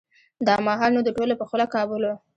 دا مهال نو د ټولو په خوله کابل و.